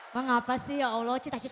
bang apa sih ya allah cita citakan